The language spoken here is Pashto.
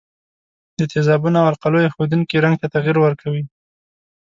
د تیزابونو او القلیو ښودونکي رنګ ته تغیر ورکوي.